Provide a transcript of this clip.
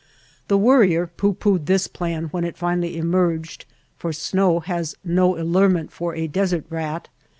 The Worrier pooh poohed this plan when it finally emerged, for snow has no allurement for a "desert rat."